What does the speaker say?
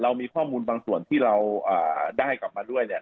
มีข้อมูลบางส่วนที่เราได้กลับมาด้วยเนี่ย